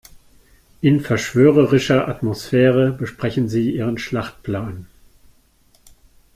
In verschwörerischer Atmosphäre besprechen sie ihren Schlachtplan.